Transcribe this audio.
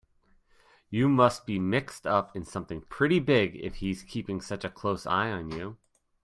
You must be mixed up in something pretty big if he's keeping such a close eye on you.